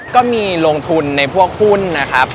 ก็มีลงทุนในพวกหุ้นนะครับ